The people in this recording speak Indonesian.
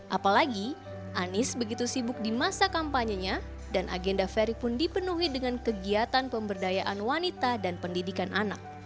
apalagi anies begitu sibuk di masa kampanyenya dan agenda ferry pun dipenuhi dengan kegiatan pemberdayaan wanita dan pendidikan anak